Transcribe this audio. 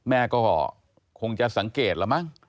แม่ก็คงจะสังเกตแล้วมั้ง